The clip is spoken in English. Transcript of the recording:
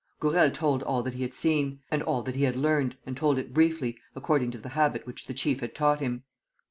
Gourel told all that he had seen, and all that he had learnt, and told it briefly, according to the habit which the chief had taught him.